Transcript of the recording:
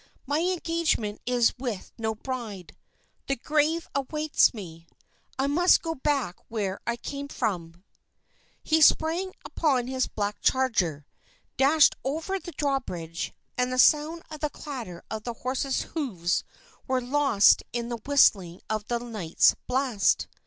"My engagement is with no bride. The grave awaits me! I must go back where I came from!" He sprang upon his black charger, dashed over the drawbridge, and the sound of the clatter of his horse's hoofs was lost in the whistling of the night's blast.